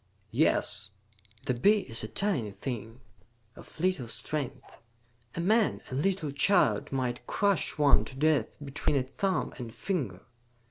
"Yes." "The bee is a tiny thing, of little strength. A man, a little child, might crush one to death between a thumb and finger.